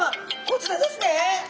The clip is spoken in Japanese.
こちらですね。